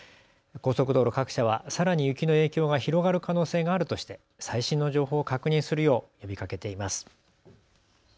高速道路各社はさらに雪の影響が広がる可能性があるとして最新の情報を確認するよう呼びかけています。